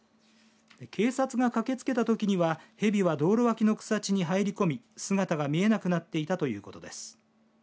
警察が駆けつけたときには蛇は道路脇の草地に入り込み姿が見えなくなっていたということです。